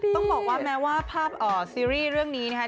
ต้องบอกว่าแม้ว่าภาพซีรีส์เรื่องนี้นะครับ